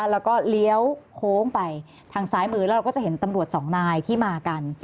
แล้วก็เลี้ยวโค้งไปทางซ้ายมือแล้วเราก็จะเห็นตำรวจสองนายที่มากัน